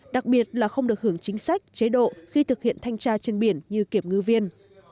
đặc biệt là không được hưởng chính sách chế độ khi thực hiện thanh tra trên biển như kiểm ngư viên